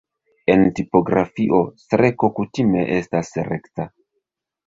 En tipografio streko kutime estas rekta.